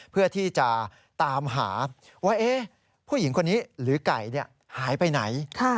เพื่อที่จะตามหาว่าผู้หญิงคนนี้หรือไก่หายไปไหน